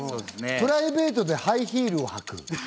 プライベートでハイヒールを履く。